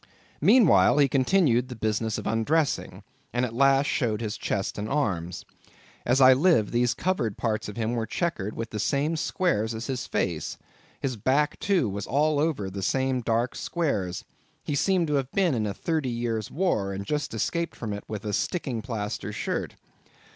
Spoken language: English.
Meanwhile, he continued the business of undressing, and at last showed his chest and arms. As I live, these covered parts of him were checkered with the same squares as his face; his back, too, was all over the same dark squares; he seemed to have been in a Thirty Years' War, and just escaped from it with a sticking plaster shirt.